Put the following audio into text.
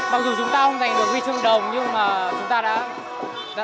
mặc dù chúng ta không giành được huy chương đồng nhưng mà chúng ta đã